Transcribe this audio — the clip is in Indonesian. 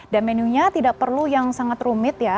menunya tidak perlu yang sangat rumit ya